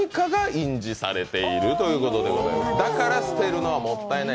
だから捨てるのはもったいない。